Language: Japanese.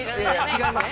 ◆違います。